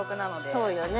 そうよね。